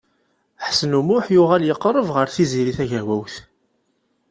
Ḥsen U Muḥ yuɣal yeqreb ɣer Tiziri Tagawawt.